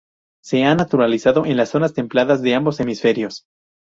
Se ha naturalizado en las zonas templadas de ambos hemisferios.